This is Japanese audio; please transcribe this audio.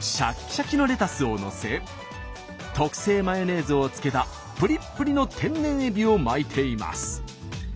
シャキシャキのレタスをのせ特製マヨネーズをつけたプリップリの天然エビを巻いています。